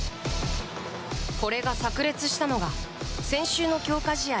これが炸裂したのが先週の強化試合